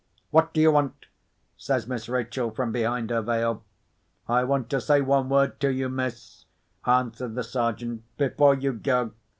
"What do you want?" says Miss Rachel, from behind her veil. "I want to say one word to you, miss," answered the Sergeant, "before you go.